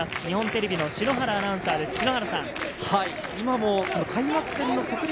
日本テレビの篠原アナウンサーです。